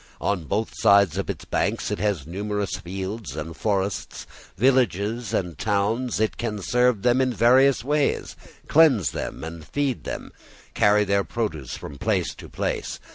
On both sides of its banks it has numerous fields and forests, villages and towns; it can serve them in various ways, cleanse them and feed them, carry their produce from place to place.